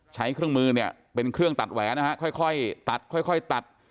ใช้เครื่องมือเป็นเครื่องตัดแหวนค่อยตัดตัด